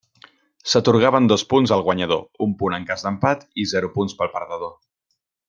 S'atorgaven dos punts al guanyador, un punt en cas d'empat, i zero punts pel perdedor.